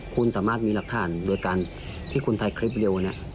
คุณสามารถมีรักษาโดยกันที่คุณถ่ายคลิปวิดีโอเนี่ย